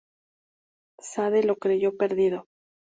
Sade lo creyó perdido.